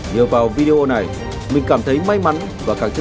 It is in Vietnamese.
nhờ vào video này mình cảm thấy may mắn và càng trân trọng